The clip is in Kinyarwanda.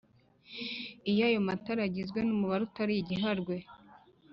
iyo ayo matara agizwe n'umubare utari igiharwe